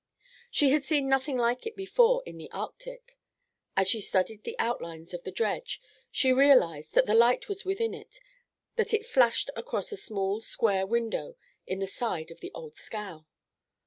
She had seen nothing like it before in the Arctic. As she studied the outlines of the dredge, she realized that the light was within it; that it flashed across a small square window in the side of the old scow.